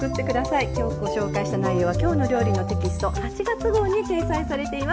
今日ご紹介した内容は「きょうの料理」のテキスト８月号に掲載されています。